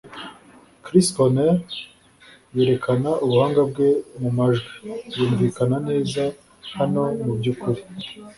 Chris Cornell yerekana ubuhanga bwe mu majwi, yumvikana neza hano, mubyukuri.